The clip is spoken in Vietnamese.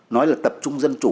nói là tập trung dân chủ